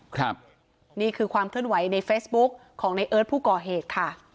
ครับนี่คือความเคลื่อนไหวในเฟซบุ๊กของในเอิร์ทผู้ก่อเหตุค่ะ